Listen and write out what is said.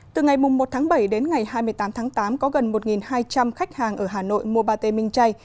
từ ngày một tháng bảy đến ngày hai mươi tám tháng tám có gần một hai trăm linh khách hàng ở hà nội mua bà tê minh chay